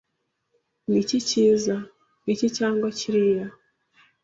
Niki cyiza, iki cyangwa kiriya?